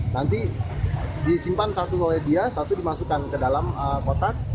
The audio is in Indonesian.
nanti disimpan satu oleh dia satu dimasukkan ke dalam kotak